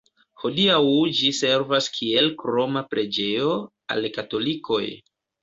Hodiaŭ ĝi servas kiel kroma preĝejo al katolikoj.